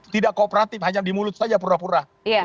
tidak kooperatif hanya di mulut saja pura pura